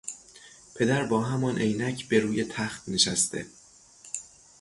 پدر با همان عینک بروی تخت نشسته